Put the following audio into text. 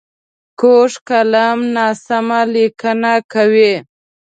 کوږ قلم ناسمه لیکنه کوي